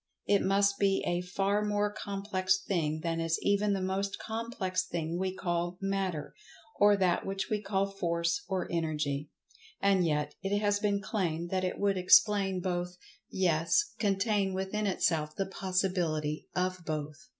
It must be a far more complex thing than is even the most complex thing we call Matter, or that which we call Force or Energy. And yet, it has been claimed that it would explain both—yes, contain within itself the possibility of both.